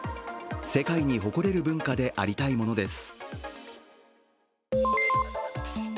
世界に誇れる文化でありたいものです。